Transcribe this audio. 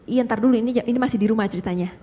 iya ntar dulu ini masih di rumah ceritanya